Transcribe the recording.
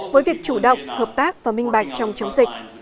với việc chủ động hợp tác và minh bạch trong chống dịch